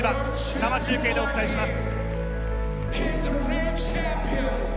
生中継でお伝えします。